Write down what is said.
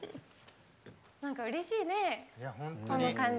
何かうれしいねこの感じ。